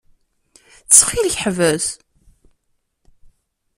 Ttxil-k, ḥbes.